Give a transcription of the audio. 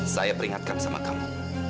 saya peringatkan sama kamu